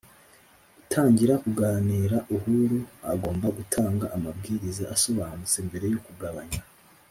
gutangira kuganira uhugura agomba gutanga amabwiriza asobanutse mbere yo kugabanya